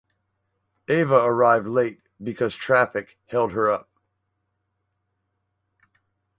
"Ava arrived late because traffic held her up".